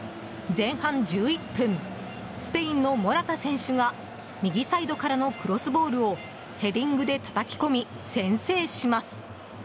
前半１１分スペインのモラタ選手が右サイドからのクロスボールをヘディングでたたき込み先制します。